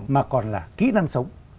mà còn là kỹ năng sống